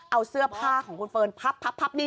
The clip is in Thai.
เอาเสื้อผ้าของคุณเฟิร์นพับนี่ใส่รังพวกนี้